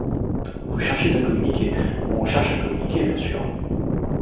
Vous cherchez à communiquer. On cherche à communiquer, bien sûr.